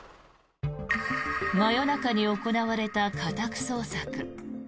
真夜中に行われた家宅捜索。